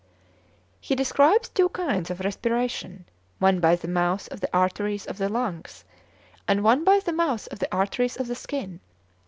He describes two kinds of respiration, one by the mouths of the arteries of the lungs, and one by the mouths of the arteries of the skin.